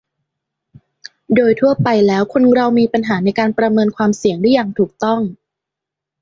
โดยทั่วไปแล้วคนเรามีปัญหาในการประเมินความเสี่ยงได้อย่างถูกต้อง